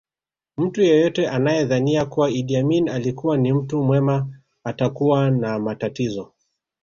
Mtu yeyote anayedhania kuwa Idi Amin alikuwa ni mtu mwema atakuwa na matatizo